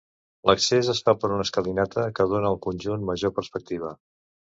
L'accés es fa per una escalinata que dóna al conjunt major perspectiva.